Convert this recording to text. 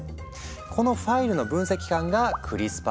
このファイルの分析官が「クリスパーＲＮＡ」。